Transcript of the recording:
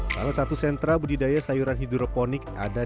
salah satu sentra budidaya sayuran hidroponik adalah